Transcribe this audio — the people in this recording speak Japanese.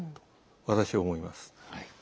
私は思います。